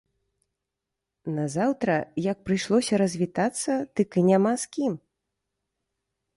Назаўтра, як прыйшлося развітацца, дык і няма з кім.